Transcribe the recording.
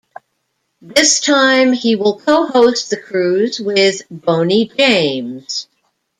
This time, he will co-host the cruise with Boney James.